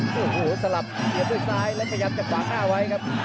ฮู้หรูสลับเกียรติดซ้ายและขยับกันหวังหน้าไว้ครับ